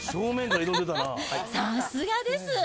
さすがです。